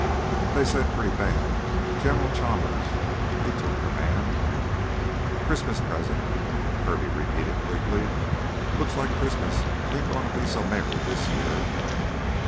"They said pretty bad. General Chalmers, he took command." "Christmas present," Kirby repeated bleakly. "Looks like Christmas ain't gonna be so merry this year."